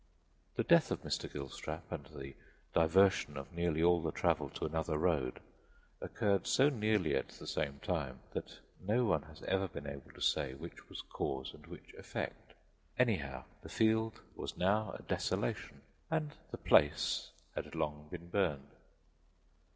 The death of Mr. Gilstrap and the diversion of nearly all the travel to another road occurred so nearly at the same time that no one has ever been able to say which was cause and which effect. Anyhow, the field was now a desolation and the Place had long been burned.